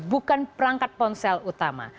bukan perangkat ponsel utama